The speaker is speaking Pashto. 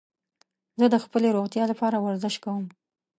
زه د خپلې روغتیا لپاره ورزش کوم.